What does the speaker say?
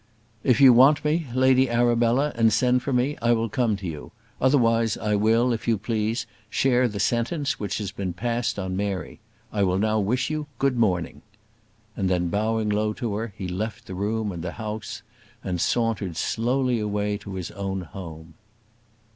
"If you want me, Lady Arabella, and send for me, I will come to you; otherwise I will, if you please, share the sentence which has been passed on Mary. I will now wish you good morning." And then bowing low to her, he left the room and the house, and sauntered slowly away to his own home.